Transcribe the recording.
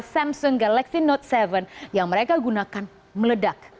samsung galaxy note tujuh yang mereka gunakan meledak